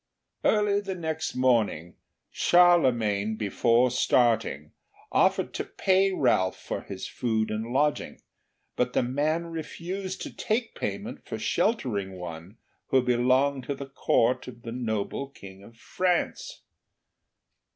Early the next morning, Charlemagne before starting offered to pay Ralph for his food and lodging, but the man refused to take payment for sheltering one who belonged to the Court of the noble King of France.